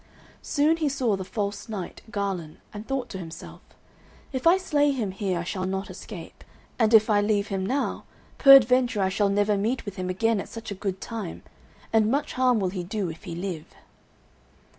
Soon he saw the false knight Garlon, and thought to himself: "If I slay him here I shall not escape, and if I leave him now, peradventure I shall never meet with him again at such a good time, and much harm will he do if he live."